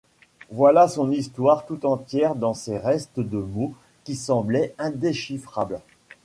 Voilà son histoire tout entière dans ces restes de mots qui semblaient indéchiffrables.